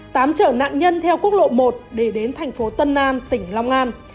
tám chở nạn nhân theo quốc lộ một để đến thành phố tân an tỉnh long an